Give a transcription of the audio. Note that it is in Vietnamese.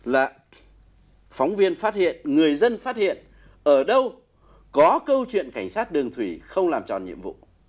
là phóng viên phát hiện người dân phát hiện ở đâu có câu chuyện cảnh sát đường thủy không làm tròn nhiệm vụ